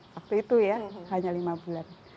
waktu itu ya hanya lima bulan